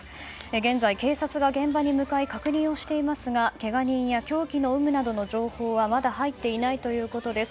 現在、警察が現場に向かい確認をしていますがけが人や凶器の有無などの情報はまだ入っていないということです。